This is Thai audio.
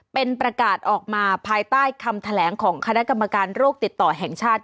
เป็นประกาศออกมาภายใต้คำแถลงของคณะกรรมการโรคติดต่อแห่งชาติ